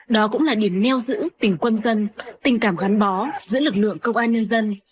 đó cũng là điểm neo giữ tỉnh quân dân tình cảm gắn bó giữa lực lượng công an nhân dân